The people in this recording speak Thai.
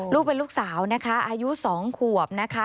ลูกเป็นลูกสาวนะคะอายุ๒ขวบนะคะ